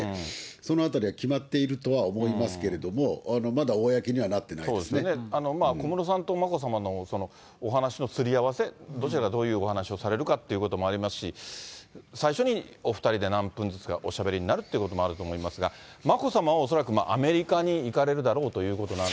そのあたりは決まっているとは思いますけれども、まだ公にはなっそうですね、小室さんと眞子さまのお話しのすり合わせ、どちらがどういうお話をされるかっていうこともありますし、最初にお２人で何分ずつかおしゃべりになるっていうこともあると思いますが、眞子さまは恐らくアメリカに行かれるだろうというこ